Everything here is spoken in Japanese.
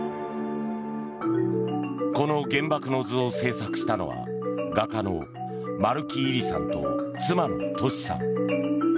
この「原爆の図」を制作したのは画家の丸木位里さんと妻の俊さん。